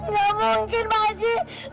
rawun lu kenapa rawun